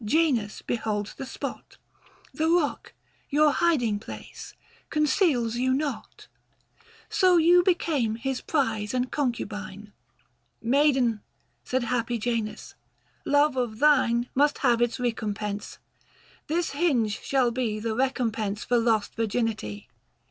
Janus beholds the spot ; The rock, your hiding place, conceals you not. N 178 THE FASTI. Book VI. So you become his prize and concubine. " Maiden," said happy Janus, " love of thine Must have its recompense ; this hinge shall be 145 The recompense for lost virginity.